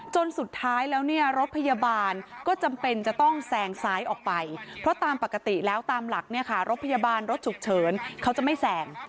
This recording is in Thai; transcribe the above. จนสุดท้ายแล้วเนี่ยรถพยาบาลก็จำเป็นจะต้องแซงซ้ายออกไปเพราะตามปกติแล้วตามหลักเนี่ยค่ะรถพยาบาลรถฉุกเฉินเขาจะไม่แซง